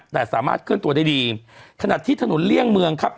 แต่สามารถเคลื่อนตัวได้ดีขนาดที่ถนนเลี่ยงเมืองครับ